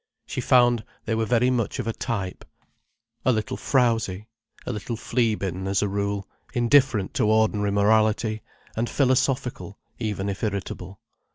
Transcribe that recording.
She found they were very much of a type: a little frowsy, a little flea bitten as a rule, indifferent to ordinary morality, and philosophical even if irritable.